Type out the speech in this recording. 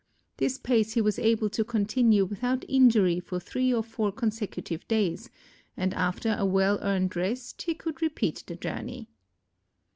This pace he was able to continue without injury for three or four consecutive days, and after a well earned rest he could repeat the journey.